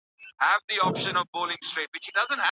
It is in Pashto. ښوونکی باید د موخو په ټاکلو کي مرسته وکړي.